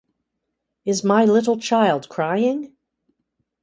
Is my little child crying?